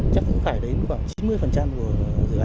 chắc cũng phải đến khoảng chín mươi của dự án